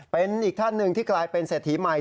เป็นอีกท่านหนึ่งที่กลายเป็นเศรษฐีใหม่